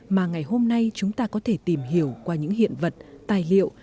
mà ngày hôm nay chúng ta có thể tìm hiểu qua những hiện vật tài liệu